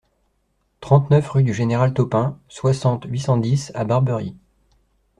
trente-neuf rue du Général Taupin, soixante, huit cent dix à Barbery